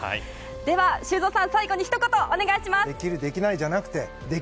では、修造さん最後にひと言お願いします。